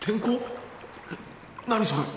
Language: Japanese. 何それ？